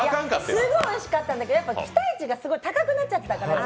すごいおいしかったんだけど、期待値がすごく高くなっちゃってたんで。